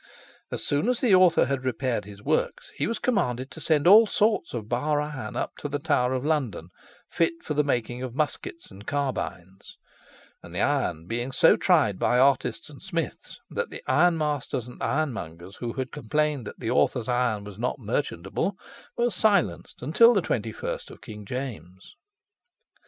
"As soon as the author had repaired his works, he was commanded to send all sorts of bar iron up to the Tower of London, fit for making of muskets and carbines, and the iron being so tried by artists and smiths, that the ironmasters and ironmongers who had complained that the author's iron was not merchantable, were silenced until the twenty first of King James."